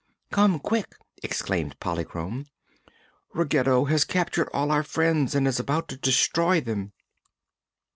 "Come quick!" exclaimed Polychrome. "Ruggedo has captured all our friends and is about to destroy them."